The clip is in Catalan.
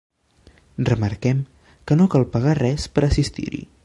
Remarquem que no cal pagar res per a assistir-hi.